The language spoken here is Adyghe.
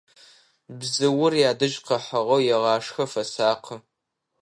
Бзыур ядэжь къыхьыгъэу егъашхэ, фэсакъы.